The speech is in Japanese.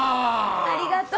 ありがとう。